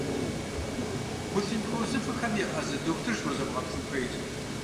Гу-лъынтхуэ узыфэхэм еӏэзэ дохутырщ уэ зэбгъэплъын хуейр.